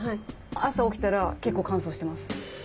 朝起きたら結構乾燥してます。